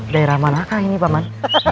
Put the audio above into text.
daerah manakah ini paman